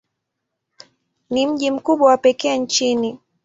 Ni mji mkubwa wa pekee nchini.